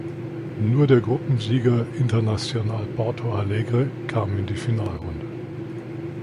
Nur der Gruppensieger Internacional Porto Alegre kam in die Finalrunde.